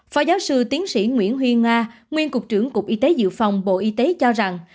phó giáo sư tiến sĩ nguyễn huy nga nguyên cục trưởng cục y tế dự phòng bộ y tế cho rằng